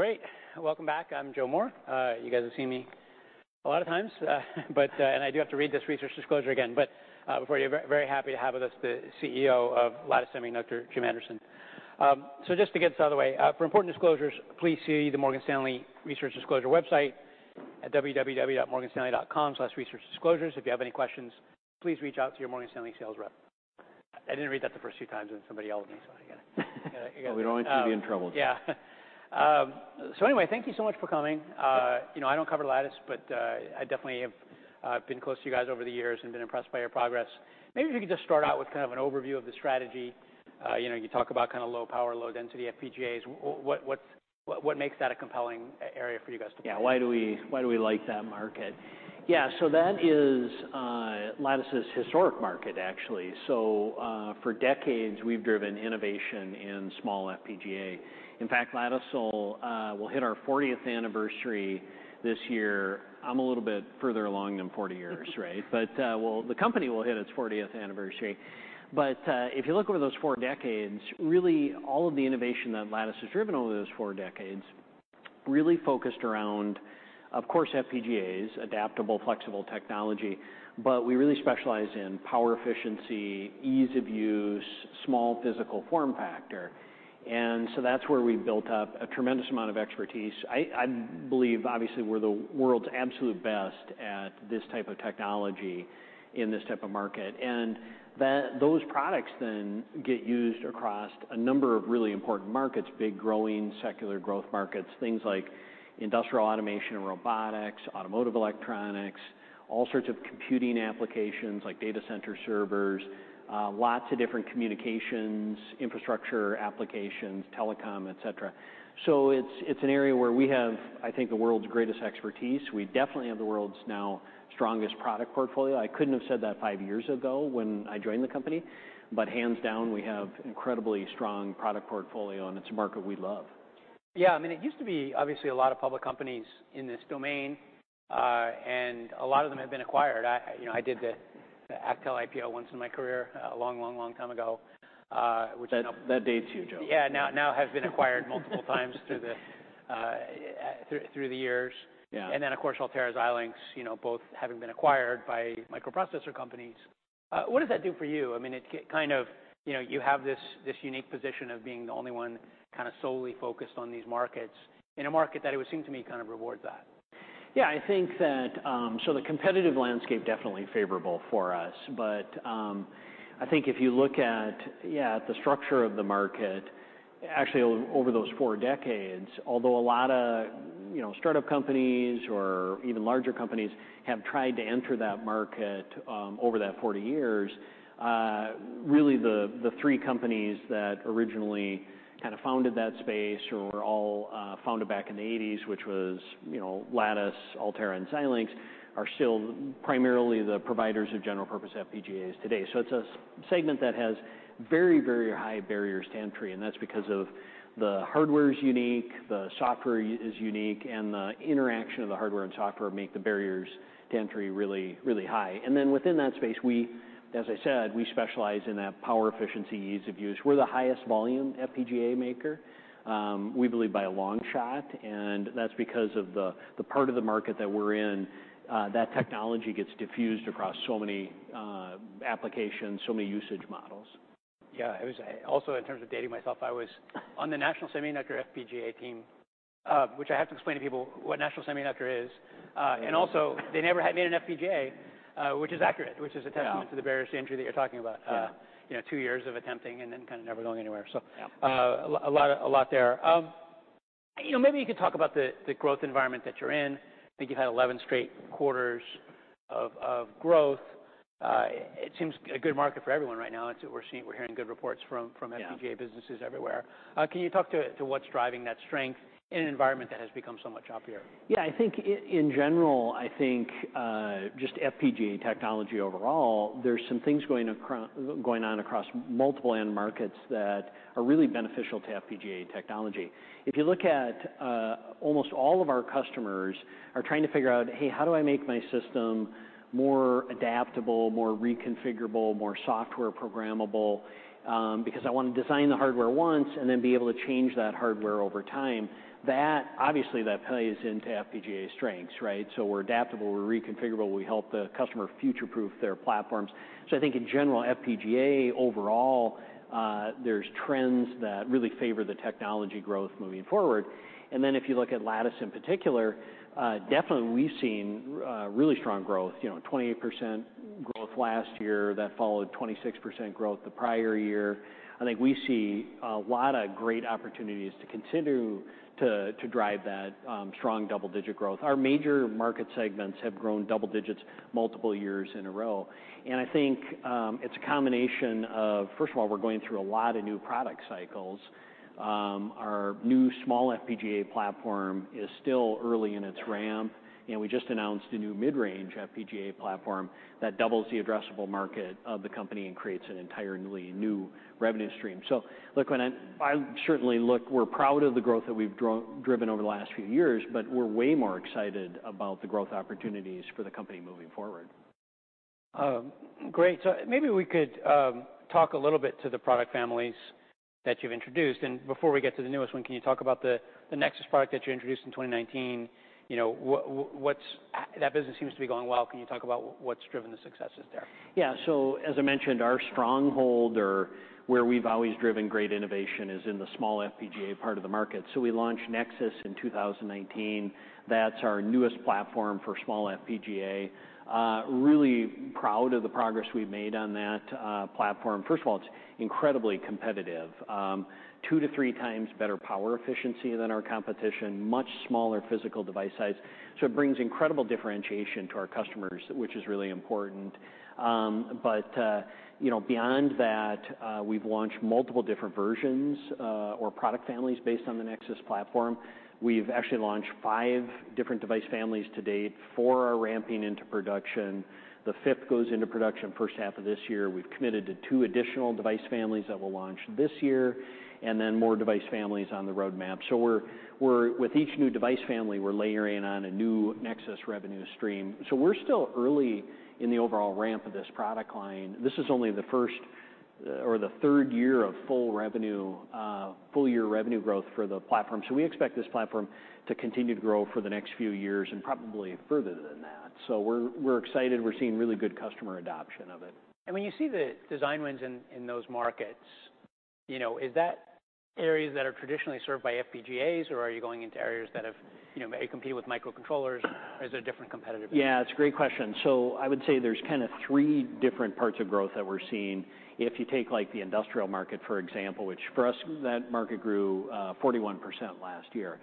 Great. Welcome back. I'm Joe Moore. You guys have seen me a lot of times, but I do have to read this research disclosure again. Very happy to have with us the CEO of Lattice Semiconductor, Jim Anderson. Just to get this out of the way, for important disclosures, please see the Morgan Stanley research disclosure website at www.morganstanley.com/researchdisclosures. If you have any questions, please reach out to your Morgan Stanley sales rep. I didn't read that the first few times, somebody yelled at me, I gotta. We don't want you to be in trouble. Yeah. Anyway, thank you so much for coming. You know, I don't cover Lattice, but I definitely have been close to you guys over the years and been impressed by your progress. Maybe if you could just start out with kind of an overview of the strategy. You know, you talk about kind of low power, low density FPGAs. What makes that a compelling area for you guys to play in? Yeah, why do we like that market? Yeah, that is Lattice's historic market actually. For decades, we've driven innovation in small FPGA. In fact, Lattice will hit our 40th anniversary this year. I'm a little bit further along than 40 years, right? But the company will hit its 40th anniversary. If you look over those four decades, really all of the innovation that Lattice has driven over those four decades really focused around, of course, FPGAs, adaptable, flexible technology, but we really specialize in power efficiency, ease of use, small physical form factor. That's where we've built up a tremendous amount of expertise. I believe, obviously, we're the world's absolute best at this type of technology in this type of market. Those products then get used across a number of really important markets, big growing secular growth markets, things like industrial automation and robotics, automotive electronics, all sorts of computing applications like data center servers, lots of different communications, infrastructure applications, telecom, et cetera. It's an area where we have, I think, the world's greatest expertise. We definitely have the world's now strongest product portfolio. I couldn't have said that five years ago when I joined the company, hands down, we have incredibly strong product portfolio, and it's a market we love. Yeah. I mean, it used to be obviously a lot of public companies in this domain, and a lot of them have been acquired. I, you know, I did the Actel IPO once in my career, a long, long, long time ago, which I know That, that dates you, Joe. Yeah. Now has been acquired multiple times through the years. Yeah. Then, of course, Altera and Xilinx, you know, both having been acquired by microprocessor companies. What does that do for you? I mean, it kind of, you know, you have this unique position of being the only one kind of solely focused on these markets in a market that it would seem to me kind of rewards that. Yeah, I think that the competitive landscape definitely favorable for us. I think if you look at, yeah, the structure of the market, actually over those 4 decades, although a lot of, you know, startup companies or even larger companies have tried to enter that market, over that 40 years, really the 3 companies that originally kind of founded that space or were all founded back in the 80s, which was, you know, Lattice, Altera, and Xilinx, are still primarily the providers of general purpose FPGAs today. It's a segment that has very, very high barriers to entry, and that's because of the hardware's unique, the software is unique, and the interaction of the hardware and software make the barriers to entry really, really high. Within that space, we, as I said, we specialize in that power efficiency, ease of use. We're the highest volume FPGA maker, we believe by a long shot, and that's because of the part of the market that we're in, that technology gets diffused across so many applications, so many usage models. Yeah. I was Also, in terms of dating myself, I was on the National Semiconductor FPGA team, which I have to explain to people what National Semiconductor is. Also, they never had made an FPGA, which is accurate. Yeah a testament to the barriers to entry that you're talking about. Yeah you know, 2 years of attempting and then kind of never going anywhere. Yeah a lot there. You know, maybe you could talk about the growth environment that you're in. I think you've had 11 straight quarters of growth. It seems a good market for everyone right now. It's what we're seeing. We're hearing good reports from. Yeah FPGA businesses everywhere. Can you talk to what's driving that strength in an environment that has become so much choppier? Yeah. I think in general, I think, just FPGA technology overall, there's some things going on across multiple end markets that are really beneficial to FPGA technology. If you look at, almost all of our customers are trying to figure out, "Hey, how do I make my system more adaptable, more reconfigurable, more software programmable? Because I want to design the hardware once and then be able to change that hardware over time." That obviously plays into FPGA strengths, right? We're adaptable, we're reconfigurable, we help the customer future-proof their platforms. I think in general, FPGA overall, there's trends that really favor the technology growth moving forward. If you look at Lattice in particular, definitely we've seen really strong growth. You know, 28% growth last year that followed 26% growth the prior year. I think we see a lot of great opportunities to continue to drive that strong double-digit growth. Our major market segments have grown double digits multiple years in a row. I think it's a combination of, first of all, we're going through a lot of new product cycles. Our new small FPGA platform is still early in its ramp, and we just announced a new mid-range FPGA platform that doubles the addressable market of the company and creates an entirely new revenue stream. Look, when I certainly look, we're proud of the growth that we've driven over the last few years, but we're way more excited about the growth opportunities for the company moving forward. Great. Maybe we could talk a little bit to the product families that you've introduced. Before we get to the newest one, can you talk about the Nexus product that you introduced in 2019? You know that business seems to be going well. Can you talk about what's driven the successes there? As I mentioned, our stronghold or where we've always driven great innovation is in the small FPGA part of the market. We launched Nexus in 2019. That's our newest platform for small FPGA. Really proud of the progress we've made on that platform. First of all, it's incredibly competitive. Two to three times better power efficiency than our competition, much smaller physical device size. It brings incredible differentiation to our customers, which is really important. You know, beyond that, we've launched multiple different versions or product families based on the Nexus platform. We've actually launched five different device families to date. Four are ramping into production. The fifth goes into production H1 of this year. We've committed to two additional device families that will launch this year. More device families on the roadmap. With each new device family, we're layering on a new Nexus revenue stream. We're still early in the overall ramp of this product line. This is only the first or the third year of full revenue, full year revenue growth for the platform. We expect this platform to continue to grow for the next few years and probably further than that. We're excited. We're seeing really good customer adoption of it. When you see the design wins in those markets, you know, is that areas that are traditionally served by FPGAs, or are you going into areas that have, you know, may compete with microcontrollers? Or is there a different competitive? Yeah, it's a great question. I would say there's kind of three different parts of growth that we're seeing. If you take, like, the industrial market, for example, which for us, that market grew 41% last year.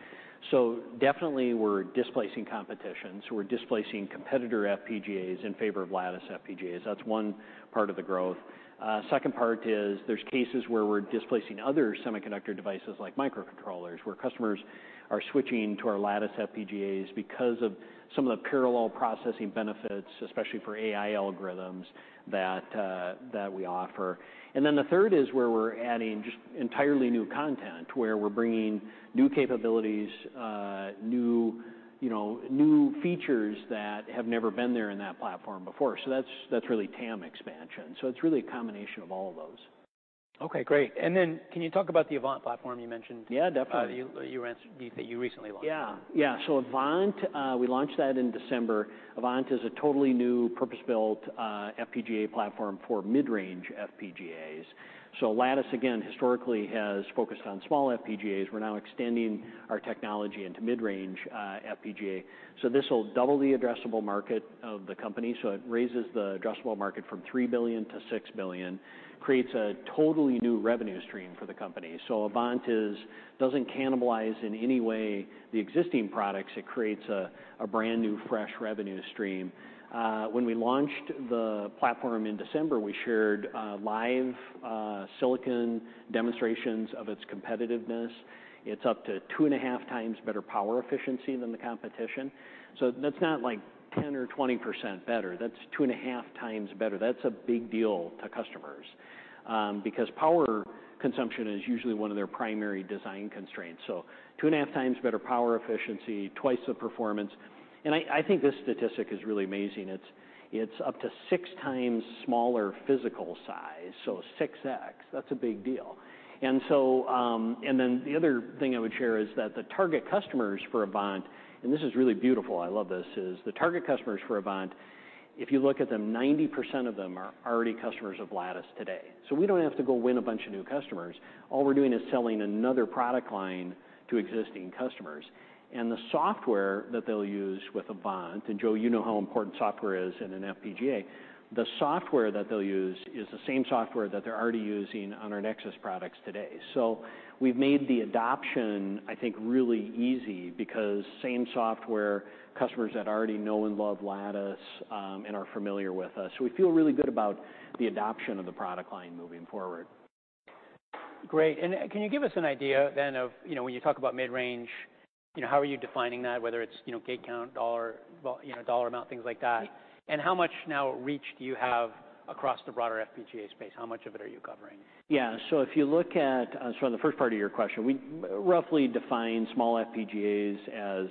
Definitely we're displacing competition, so we're displacing competitor FPGAs in favor of Lattice FPGAs. That's one part of the growth. Second part is there's cases where we're displacing other semiconductor devices like microcontrollers, where customers are switching to our Lattice FPGAs because of some of the parallel processing benefits, especially for AI algorithms that we offer. The third is where we're adding just entirely new content, where we're bringing new capabilities, new, you know, new features that have never been there in that platform before. That's, that's really TAM expansion. It's really a combination of all of those. Okay, great. Can you talk about the Avant platform you mentioned? Yeah, definitely you recently launched? Avant, we launched that in December. Avant is a totally new purpose-built FPGA platform for mid-range FPGAs. Lattice, again, historically has focused on small FPGAs. We're now extending our technology into mid-range FPGA. This will double the addressable market of the company. It raises the addressable market from $3 to 6 billion, creates a totally new revenue stream for the company. Avant doesn't cannibalize in any way the existing products. It creates a brand-new, fresh revenue stream. When we launched the platform in December, we shared live silicon demonstrations of its competitiveness. It's up to two and a half times better power efficiency than the competition. That's not like 10% or 20% better. That's two and a half times better. That's a big deal to customers because power consumption is usually one of their primary design constraints. Two and a half times better power efficiency, twice the performance. I think this statistic is really amazing. It's up to six times smaller physical size, so 6x. That's a big deal. The other thing I would share is that the target customers for Avant, and this is really beautiful, I love this, is the target customers for Avant, if you look at them, 90% of them are already customers of Lattice today. We don't have to go win a bunch of new customers. All we're doing is selling another product line to existing customers. The software that they'll use with Avant, and Joe Moore, you know how important software is in an FPGA, the software that they'll use is the same software that they're already using on our Nexus products today. We've made the adoption, I think, really easy because same software customers that already know and love Lattice and are familiar with us. We feel really good about the adoption of the product line moving forward. Great. Can you give us an idea then of, you know, when you talk about mid-range, you know, how are you defining that, whether it's, you know, gate count, dollar, you know, dollar amount, things like that? Yeah. How much now reach do you have across the broader FPGA space? How much of it are you covering? Yeah. If you look at the first part of your question, we roughly define small FPGAs as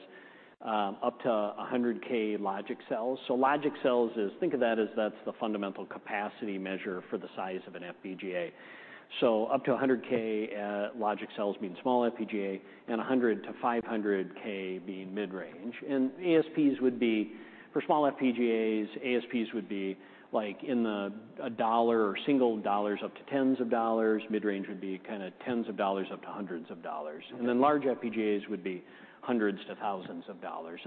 up to 100K logic cells. Logic cells is, think of that as that's the fundamental capacity measure for the size of an FPGA. Up to 100K logic cells being small FPGA and 100K to 500K being mid-range. ASPs would be, for small FPGAs, ASPs would be like in the $1 or single dollars up to $10s of dollars. Mid-range would be kind of $10s of dollars up to $100s of dollars. Large FPGAs would be $100 to 1,000s of dollars.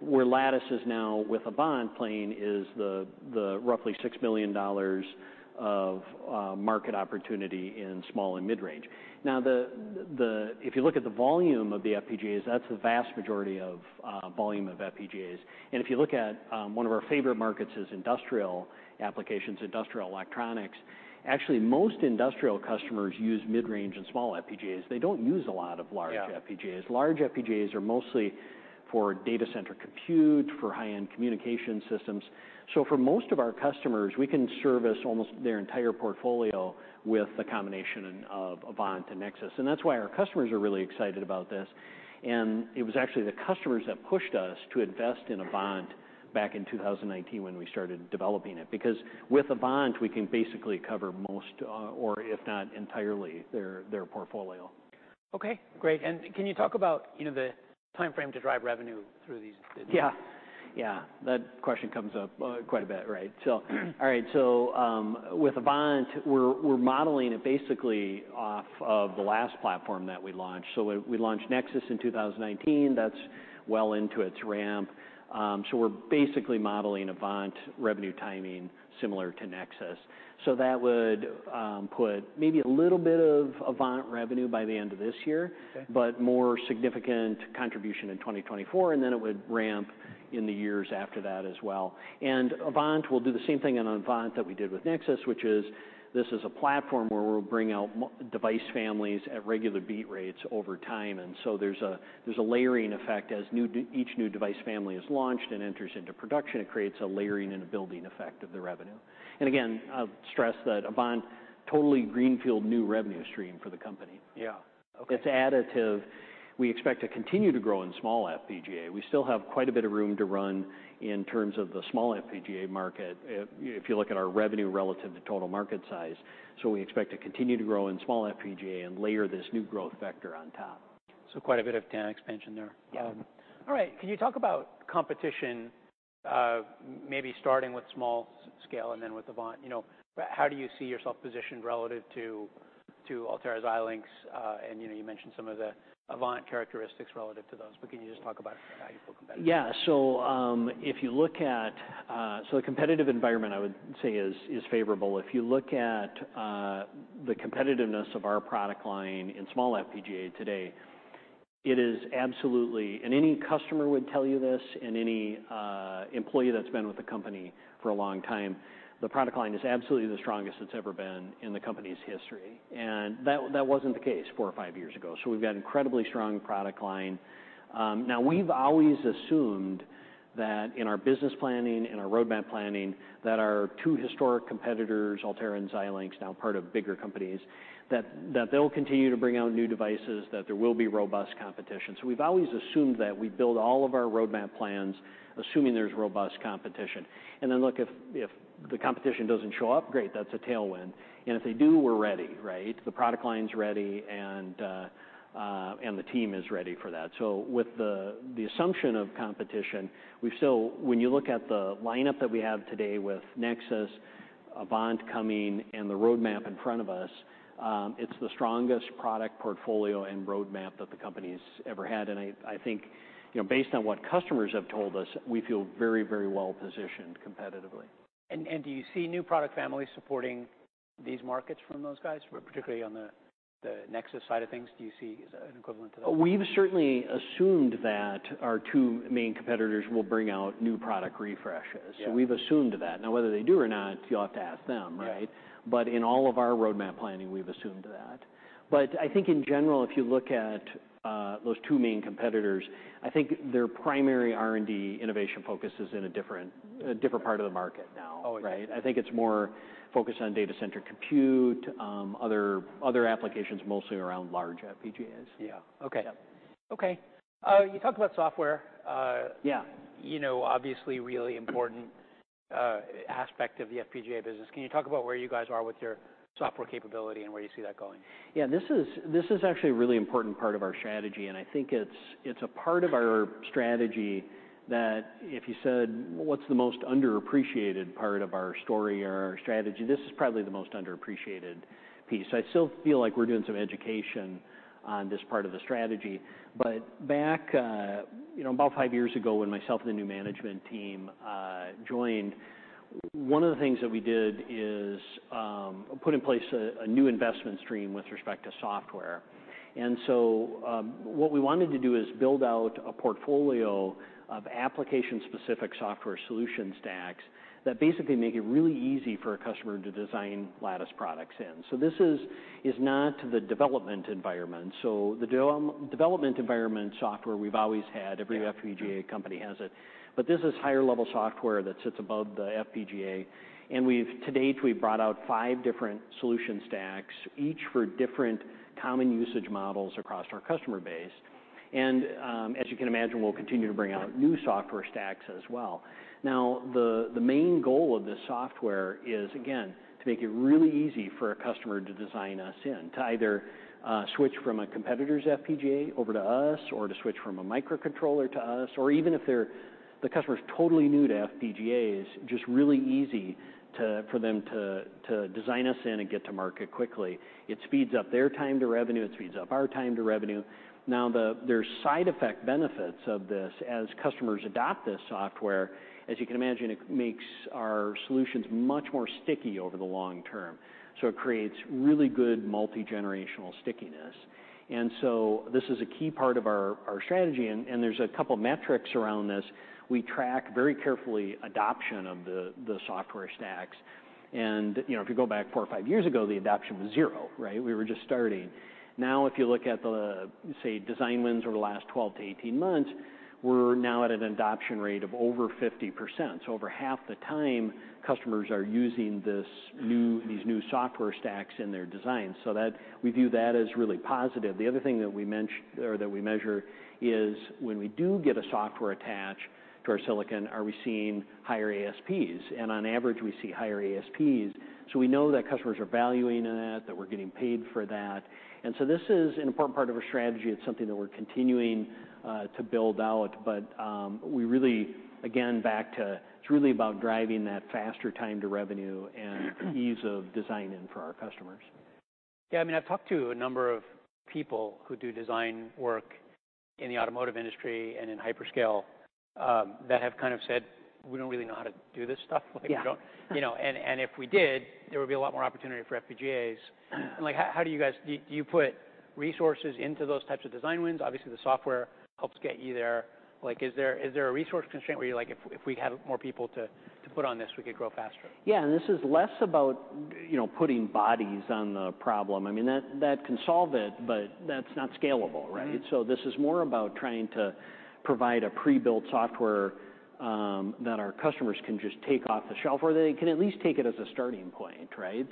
Where Lattice is now with Avant playing is the roughly $6 million of market opportunity in small and mid-range. Now If you look at the volume of the FPGAs, that's the vast majority of volume of FPGAs. If you look at one of our favorite markets is industrial applications, industrial electronics. Actually, most industrial customers use mid-range and small FPGAs. They don't use a lot of large Yeah FPGAs. Large FPGAs are mostly for data center compute, for high-end communication systems. For most of our customers, we can service almost their entire portfolio with the combination of Avant and Nexus. That's why our customers are really excited about this. It was actually the customers that pushed us to invest in Avant back in 2019 when we started developing it. With Avant, we can basically cover most, or if not entirely, their portfolio. Okay, great. Can you talk about, you know, the timeframe to drive revenue through this business? Yeah. Yeah. That question comes up quite a bit, right? All right. With Avant, we're modeling it basically off of the last platform that we launched. We launched Nexus in 2019, that's well into its ramp. We're basically modeling Avant revenue timing similar to Nexus. That would put maybe a little bit of Avant revenue by the end of this year. Okay. More significant contribution in 2024, and then it would ramp in the years after that as well. Avant, we'll do the same thing on Avant that we did with Nexus, which is this is a platform where we'll bring out device families at regular beat rates over time. There's a, there's a layering effect as each new device family is launched and enters into production, it creates a layering and a building effect of the revenue. Again, I'll stress that Avant, totally greenfield new revenue stream for the company. Yeah. Okay. It's additive. We expect to continue to grow in small FPGA. We still have quite a bit of room to run in terms of the small FPGA market if you look at our revenue relative to total market size. We expect to continue to grow in small FPGA and layer this new growth vector on top. Quite a bit of TAM expansion there. Yeah. All right. Can you talk about competition, maybe starting with small scale and then with Avant? You know, how do you see yourself positioned relative to Altera's Xilinx, and, you know, you mentioned some of the Avant characteristics relative to those. Can you just talk about how you feel competitive? Yeah. The competitive environment, I would say is favorable. If you look at the competitiveness of our product line in small FPGA today, it is absolutely... Any customer would tell you this and any employee that's been with the company for a long time, the product line is absolutely the strongest it's ever been in the company's history. That wasn't the case 4 or 5 years ago. We've got an incredibly strong product line. Now we've always assumed that in our business planning, in our roadmap planning, that our two historic competitors, Altera and Xilinx, now part of bigger companies, that they'll continue to bring out new devices, that there will be robust competition. We've always assumed that. We build all of our roadmap plans assuming there's robust competition. Look, if the competition doesn't show up, great, that's a tailwind. If they do, we're ready, right? The product line's ready and the team is ready for that. With the assumption of competition, when you look at the lineup that we have today with Nexus, Avant coming, and the roadmap in front of us, it's the strongest product portfolio and roadmap that the company's ever had. I think, you know, based on what customers have told us, we feel very, very well positioned competitively. Do you see new product families supporting these markets from those guys, particularly on the Nexus side of things? Do you see an equivalent to that? We've certainly assumed that our two main competitors will bring out new product refreshes. Yeah. We've assumed that. Now, whether they do or not, you'll have to ask them, right? Yeah. In all of our roadmap planning, we've assumed that. I think in general, if you look at, those two main competitors, I think their primary R&D innovation focus is in a different, a different part of the market now. Always. Right? I think it's more focused on data center compute, other applications mostly around large FPGAs. Yeah. Okay. Yeah. Okay. You talked about software. Yeah you know, obviously really important, aspect of the FPGA business. Can you talk about where you guys are with your software capability and where you see that going? Yeah. This is actually a really important part of our strategy, and I think it's a part of our strategy that if you said, "What's the most underappreciated part of our story or our strategy?" This is probably the most underappreciated piece. I still feel like we're doing some education on this part of the strategy. Back, you know, about 5 years ago when myself and the new management team joined, one of the things that we did is put in place a new investment stream with respect to software. So, what we wanted to do is build out a portfolio of application-specific software solution stacks that basically make it really easy for a customer to design Lattice products in. This is not the development environment. The development environment software, we've always had. Yeah. Every FPGA company has it. This is higher level software that sits above the FPGA. We've, to date, brought out five different solution stacks, each for different common usage models across our customer base. As you can imagine, we'll continue to bring out new software stacks as well. The main goal of this software is, again, to make it really easy for a customer to design us in, to either switch from a competitor's FPGA over to us or to switch from a microcontroller to us, or even if the customer's totally new to FPGAs, just really easy to, for them to design us in and get to market quickly. It speeds up their time to revenue; it speeds up our time to revenue. There's side effect benefits of this. As customers adopt this software, as you can imagine, it makes our solutions much more sticky over the long term. It creates really good multi-generational stickiness. This is a key part of our strategy, and there's a couple metrics around this. We track very carefully adoption of the software stacks. You know, if you go back four or five years ago, the adoption was 0, right? We were just starting. Now, if you look at the, say, design wins over the last 12 to 18 months, we're now at an adoption rate of over 50%. Over half the time customers are using these new software stacks in their designs. We view that as really positive. The other thing that we mention or that we measure is when we do get a software attach to our silicon, are we seeing higher ASPs? On average, we see higher ASPs. We know that customers are valuing that we're getting paid for that. This is an important part of our strategy. It's something that we're continuing to build out. We really again back to it's really about driving that faster time to revenue and ease of design-in for our customers. Yeah, I mean, I've talked to a number of people who do design work in the automotive industry and in hyperscale, that have kind of said, "We don't really know how to do this stuff. Yeah. Like, we don't. You know, "If we did, there would be a lot more opportunity for FPGAs." Like, how do you guys, do you put resources into those types of design wins? Obviously, the software helps get you there. Like, is there a resource constraint where you're like, "If we had more people to put on this, we could grow faster"? This is less about, you know, putting bodies on the problem. I mean, that can solve it, but that's not scalable, right? This is more about trying to provide a pre-built software, that our customers can just take off the shelf, or they can at least take it as a starting point, right?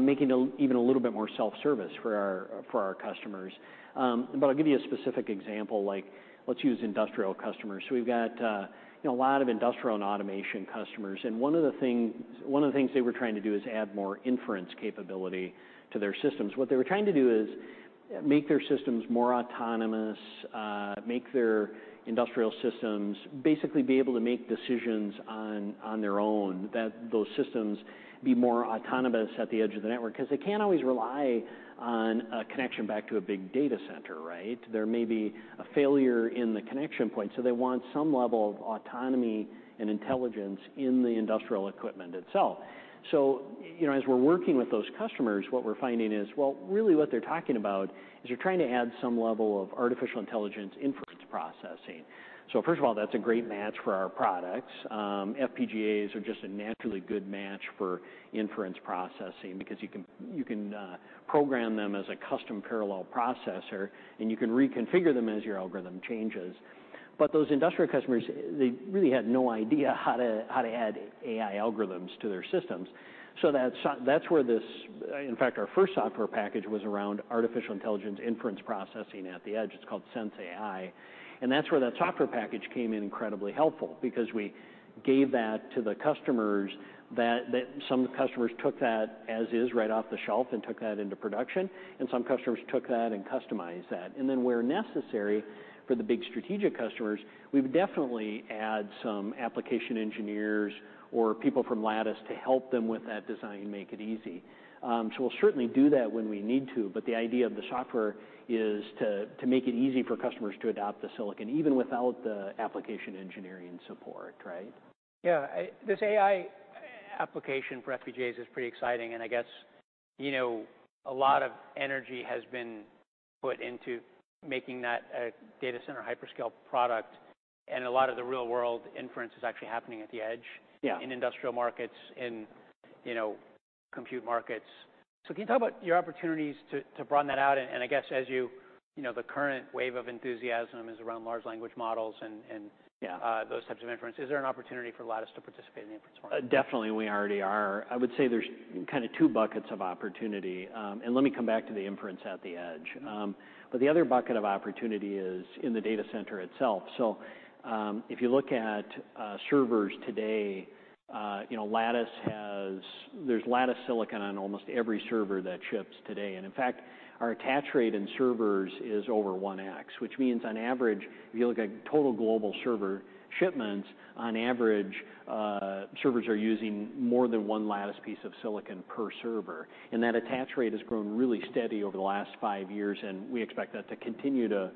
Making it even a little bit more self-service for our customers. I'll give you a specific example, like let's use industrial customers. We've got, you know, a lot of industrial and automation customers, and one of the things they were trying to do is add more inference capability to their systems. What they were trying to do is make their systems more autonomous, make their industrial systems basically be able to make decisions on their own, that those systems be more autonomous at the edge of the network. Cause they can't always rely on a connection back to a big data center, right? There may be a failure in the connection point. They want some level of autonomy and intelligence in the industrial equipment itself. You know, as we're working with those customers, what we're finding is, well, really what they're talking about is they're trying to add some level of artificial intelligence inference processing. First of all, that's a great match for our products. FPGAs are just a naturally good match for inference processing because you can program them as a custom parallel processor, and you can reconfigure them as your algorithm changes. Those industrial customers, they really had no idea how to add AI algorithms to their systems. That's where this, in fact our first software package was around artificial intelligence inference processing at the edge. It's called sensAI. That's where that software package came in incredibly helpful because we gave that to the customers that some customers took that as is right off the shelf and took that into production, and some customers took that and customized that. Then where necessary for the big strategic customers, we would definitely add some application engineers or people from Lattice to help them with that design and make it easy. So, we'll certainly do that when we need to, but the idea of the software is to make it easy for customers to adopt the silicon, even without the application engineering support, right? Yeah. This AI application for FPGAs is pretty exciting, and I guess, you know, a lot of energy has been put into making that a data center hyperscale product, and a lot of the real-world inference is actually happening at the edge. Yeah in industrial markets, in, you know, compute markets. Can you talk about your opportunities to broaden that out and I guess as you know, the current wave of enthusiasm is around large language models and Yeah those types of inference, is there an opportunity for Lattice to participate in the inference market? Definitely, we already are. I would say there's kind of two buckets of opportunity and let me come back to the inference at the edge. The other bucket of opportunity is in the data center itself. If you look at servers today, you know, there's Lattice silicon on almost every server that ships today. In fact, our attach rate in servers is over 1x, which means on average, if you look at total global server shipments, on average, servers are using more than one Lattice piece of silicon per server. That attach rate has grown really steady over the last five years, and we expect that to continue to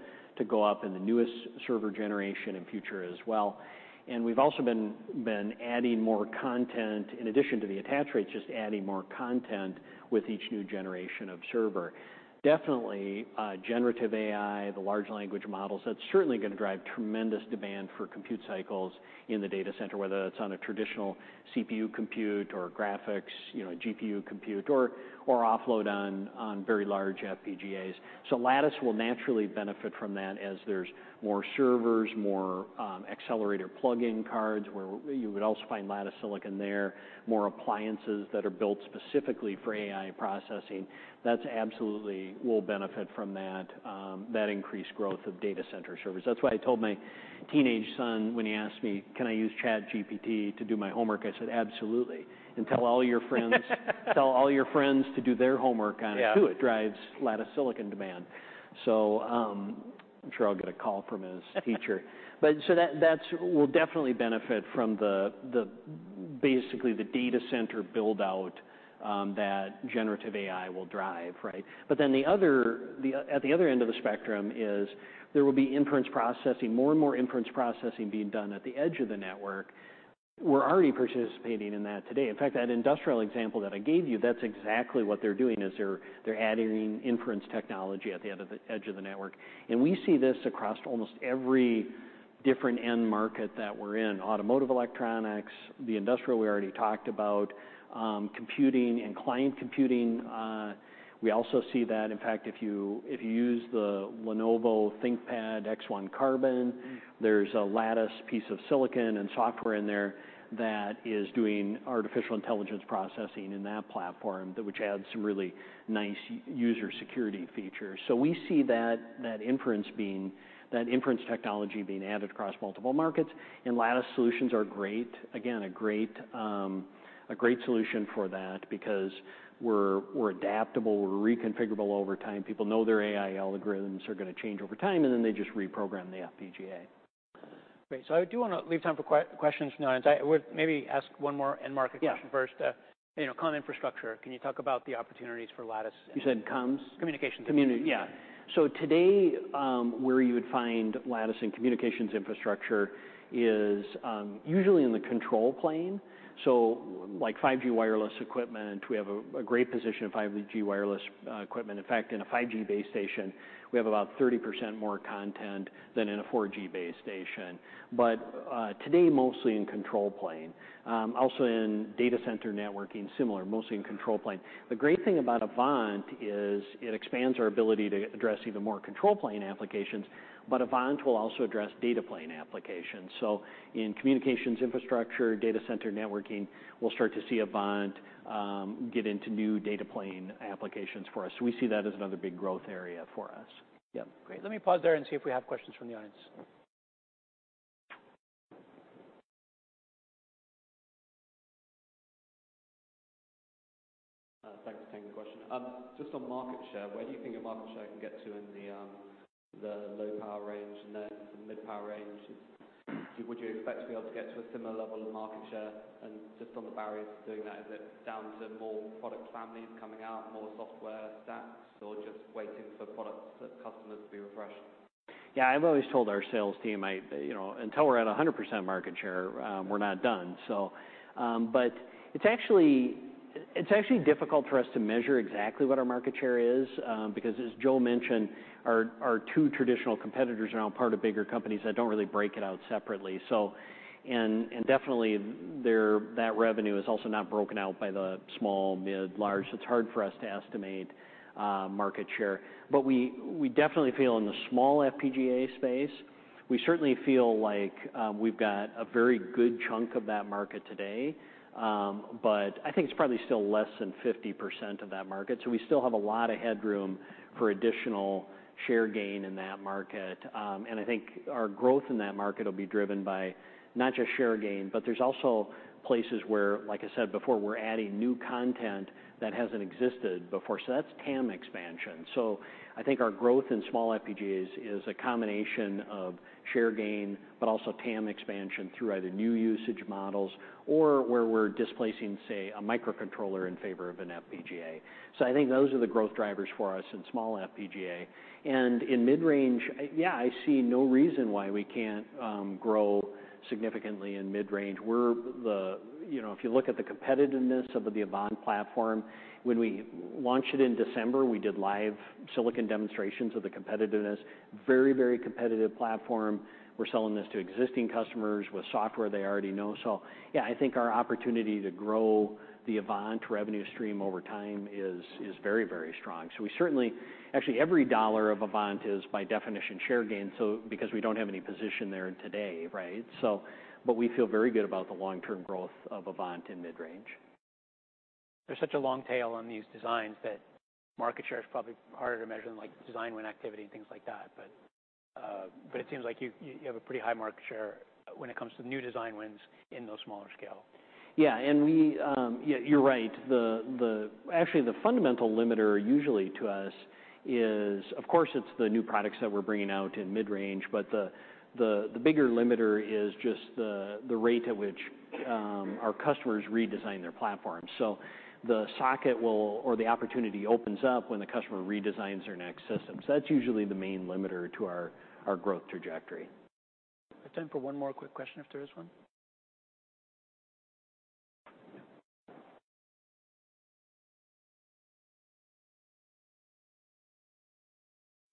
go up in the newest server generation and future as well. We've also been adding more content, in addition to the attach rates, just adding more content with each new generation of server. Definitely, generative AI, the large language models, that's certainly gonna drive tremendous demand for compute cycles in the data center, whether that's on a traditional CPU compute or graphics, you know, GPU compute, or offload on very large FPGAs. Lattice will naturally benefit from that as there's more servers, more accelerator plug-in cards where you would also find Lattice silicon there, more appliances that are built specifically for AI processing. That's absolutely will benefit from that increased growth of data center servers. That's why I told my teenage son when he asked me, "Can I use ChatGPT to do my homework?" I said, "Absolutely. Tell all your friends "Tell all your friends to do their homework on it too. Yeah. It drives Lattice silicon demand. I'm sure I'll get a call from his teacher. We'll definitely benefit from the basically the data center build-out that generative AI will drive, right? The other at the other end of the spectrum is there will be inference processing, more and more inference processing being done at the edge of the network. We're already participating in that today. In fact, that industrial example that I gave you, that's exactly what they're doing, is they're adding inference technology at the edge of the network. We see this across almost every different end market that we're in. Automotive electronics, the industrial we already talked about, computing and client computing, we also see that. In fact, if you use the Lenovo ThinkPad X1 Carbon, there's a Lattice piece of silicon and software in there that is doing artificial intelligence processing in that platform, which adds some really nice user security features. We see that inference technology being added across multiple markets. Lattice solutions are great. Again, a great solution for that because we're adaptable, we're reconfigurable over time. People know their AI algorithms are gonna change over time. They just reprogram the FPGA. Great. I do wanna leave time for questions from the audience. I would maybe ask one more end market question first. Yeah. You know, comm infrastructure, can you talk about the opportunities for Lattice in You said comms? Communications. Yeah. Today, where you would find Lattice in communications infrastructure is usually in the control plane. Like 5G wireless equipment, we have a great position in 5G wireless equipment. In fact, in a 5G base station, we have about 30% more content than in a 4G base station. Today, mostly in control plane. Also in data center networking, similar, mostly in control plane. The great thing about Avant is it expands our ability to address even more control plane applications, but Avant will also address data plane applications. In communications infrastructure, data center networking, we'll start to see Avant get into new data plane applications for us. We see that as another big growth area for us. Yeah. Great. Let me pause there and see if we have questions from the audience. Thanks for taking the question. Just on market share, where do you think your market share can get to in the low power range and the mid power range? Would you expect to be able to get to a similar level of market share? Just on the barriers to doing that, is it down to more product families coming out, more software stacks, or just waiting for products that customers to be refreshed? Yeah. I've always told our sales team I, you know, until we're at 100% market share, we're not done. It's actually, it's actually difficult for us to measure exactly what our market share is, because as Joe mentioned, our two traditional competitors are now part of bigger companies that don't really break it out separately. Definitely that revenue is also not broken out by the small, mid, large, so it's hard for us to estimate market share. We definitely feel in the small FPGA space, we certainly feel like we've got a very good chunk of that market today. I think it's probably still less than 50% of that market, so we still have a lot of headroom for additional share gain in that market. I think our growth in that market will be driven by not just share gain, but there's also places where, like I said before, so that's TAM expansion. I think our growth in small FPGAs is a combination of share gain, but also TAM expansion through either new usage models or where we're displacing, say, a microcontroller in favor of an FPGA. I think those are the growth drivers for us in small FPGA. In mid-range, I see no reason why we can't grow significantly in mid-range. We're the, you know, if you look at the competitiveness of the Avant platform, when we launched it in December, we did live silicon demonstrations of the competitiveness. Very, very competitive platform. We're selling this to existing customers with software they already know. Yeah, I think our opportunity to grow the Avant revenue stream over time is very strong. We certainly. Actually, every dollar of Avant is, by definition, share gain, so because we don't have any position there today, right? We feel very good about the long-term growth of Avant in mid-range. There's such a long tail on these designs that market share is probably harder to measure than, like, design win activity and things like that. It seems like you have a pretty high market share when it comes to new design wins in those smaller scale. Yeah. We, yeah, you're right. The actually, the fundamental limiter usually to us is, of course, it's the new products that we're bringing out in mid-range, but the bigger limiter is just the rate at which our customers redesign their platform. The socket will, or the opportunity opens up when the customer redesigns their next system. That's usually the main limiter to our growth trajectory. I have time for one more quick question if there is one.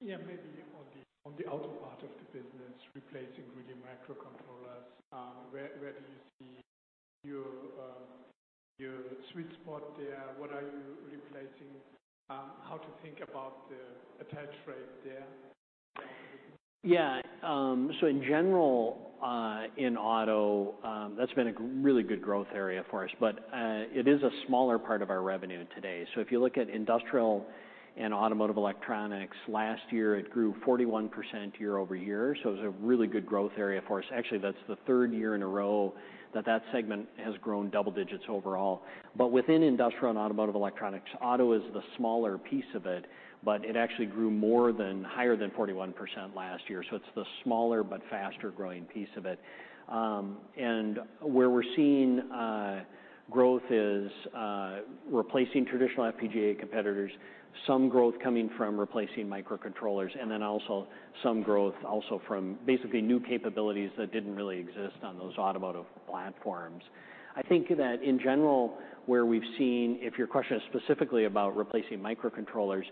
Yeah. Maybe on the, on the auto part of the business, replacing really microcontrollers, where do you see your sweet spot there? What are you replacing? How to think about the attach rate there? In general, in auto, that's been a really good growth area for us, but it is a smaller part of our revenue today. If you look at industrial and automotive electronics, last year it grew 41% year-over-year, so it was a really good growth area for us. That's the 3rd year in a row that that segment has grown double digits overall. Within industrial and automotive electronics, auto is the smaller piece of it, but it actually grew more than, higher than 41% last year. It's the smaller but faster-growing piece of it. Where we're seeing growth is replacing traditional FPGA competitors, some growth coming from replacing microcontrollers, and then also some growth also from basically new capabilities that didn't really exist on those automotive platforms. I think that in general, where we've seen, if your question is specifically about replacing microcontrollers,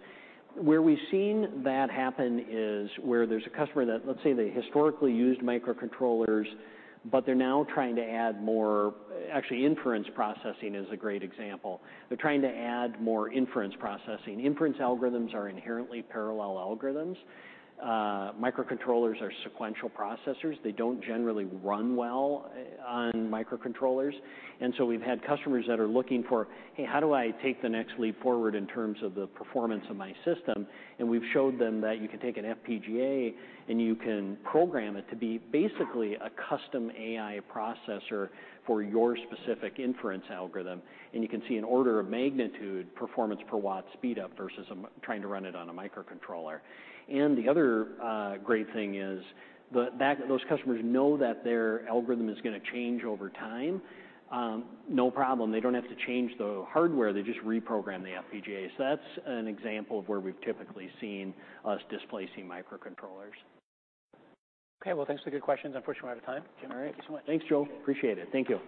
where we've seen that happen is where there's a customer that, let's say they historically used microcontrollers, but they're now trying to add more. Actually, inference processing is a great example. They're trying to add more inference processing. Inference algorithms are inherently parallel algorithms. Microcontrollers are sequential processors. They don't generally run well on microcontrollers. So, we've had customers that are looking for, "Hey, how do I take the next leap forward in terms of the performance of my system?" We've showed them that you can take an FPGA, and you can program it to be basically a custom AI processor for your specific inference algorithm, and you can see an order of magnitude performance per watt speed up versus trying to run it on a microcontroller. The other, great thing is that those customers know that their algorithm is gonna change over time. No problem. They don't have to change the hardware. They just reprogram the FPGA. That's an example of where we've typically seen us displacing microcontrollers. Okay, well, thanks for the good questions. Unfortunately, we're out of time. All right. Thanks so much. Thanks, Joe. Appreciate it. Thank you.